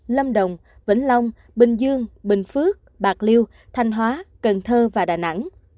lâm đồng vĩnh long bình dương bình phước bạc liêu thanh hóa cần thơ và đà nẵng